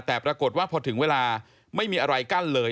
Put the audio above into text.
แต่ปรากฏว่าพอถึงเวลาไม่มีอะไรกั้นเลย